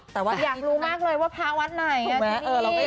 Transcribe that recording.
อ๋ออยากรู้มากเลยว่าพระวัตน์ไหนนะที่นี่